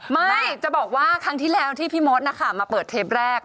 ไม่จะบอกว่าครั้งที่แล้วที่พี่มดนะคะมาเปิดเทปแรก